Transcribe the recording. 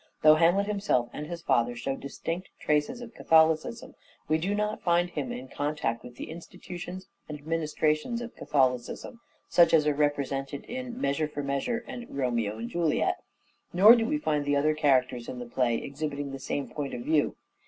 Though Hamlet himself and his father hls times show distinct traces of Catholicism, we do not find him in contact with the institutions and ministrations of Catholicism, such as are represented in " Measure for Measure," and " Romeo and Juliet "; nor do we find the other characters in the play exhibiting the same point of view.